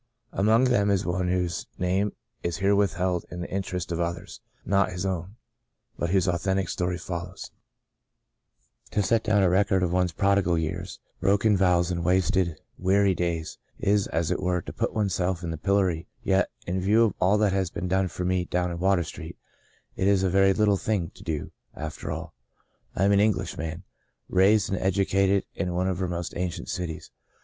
Among them is one whose name is here withheld in the interest of others (not his own), but whose authentic story follows :To set down a record of one's prodigal years, broken vows and wasted, weary days is, as it were, to put oneself in the pillory, yet, in view of all that has been done for me down in Water Street, it is a very little thing to do, after all. I am an Englishman — raised and educa ted in one of her most ancient cities.